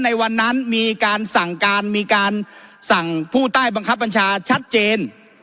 ในวันนั้นมีการสั่งการมีการสั่งผู้ใต้บังคับบัญชาชัดเจน